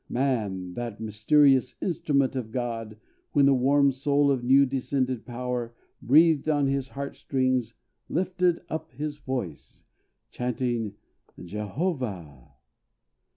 MAN, that mysterious instrument of God, When the warm soul of new descended power Breathed on his heart strings, lifted up his voice, Chanting, "JEHOVAH!"